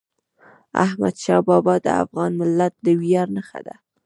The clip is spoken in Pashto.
احمدشاه بابا د افغان ملت د ویاړ نښه ده.